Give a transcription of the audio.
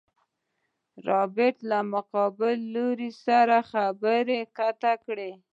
رابرټ له مقابل لوري سره خبرې قطع کړې.